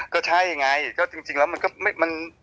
ก็ใช่ไงก็จริงแล้วมันก็มัน